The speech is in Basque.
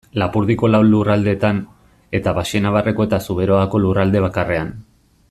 Lapurdiko lau lurraldetan, eta Baxenabarreko eta Zuberoako lurralde bakarrean.